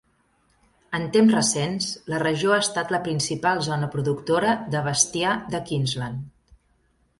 En temps recents, la regió ha estat la principal zona productora de bestiar de Queensland.